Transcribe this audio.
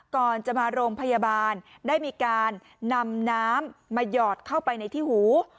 ก่อนจะมาโรงพยาบาลได้มีการนำน้ำมาหยอดเข้าไปในที่หู